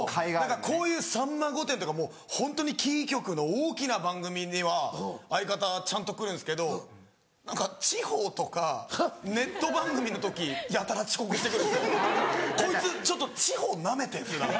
こういう『さんま御殿‼』とかホントにキー局の大きな番組には相方ちゃんと来るんですけど何か地方とかネット番組の時やたら遅刻して来るんですよ。こいつちょっと地方ナメてんですよだから。